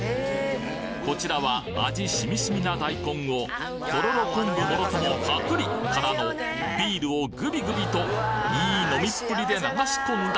こちらは味染み染みな大根をとろろ昆布もろともパクリ！からのビールをグビグビといい飲みっぷりで流し込んだ。